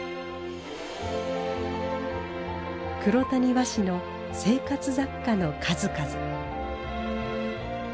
黒谷和紙の生活雑貨の数々。